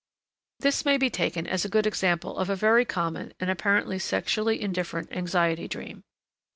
This may be taken as a good example of a very common, and apparently sexually indifferent, anxiety dream.